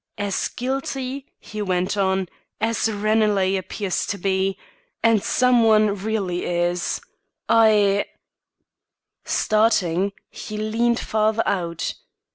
"As guilty," he went on, "as Ranelagh appears to be, and some one really is. I " Starting, he leaned farther out.